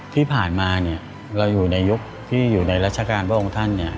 ที่ผ่านมาเราอยู่ในยุคที่อยู่ในรัชกาลพระองค์ท่าน